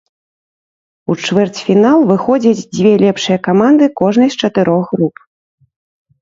У чвэрцьфінал выходзяць дзве лепшыя каманды кожнай з чатырох груп.